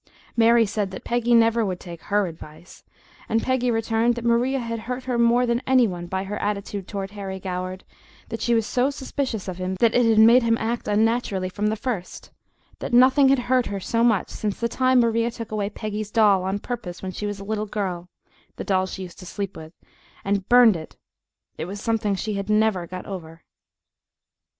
Maria said that Peggy never would take HER advice, and Peggy returned that Maria had hurt her more than any one by her attitude toward Harry Goward, that she was so suspicious of him that it had made him act unnaturally from the first that nothing had hurt her so much since the time Maria took away Peggy's doll on purpose when she was a little girl the doll she used to sleep with and burned it; it was something she had NEVER got over.